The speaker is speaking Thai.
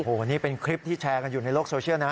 โอ้โหนี่เป็นคลิปที่แชร์กันอยู่ในโลกโซเชียลนะ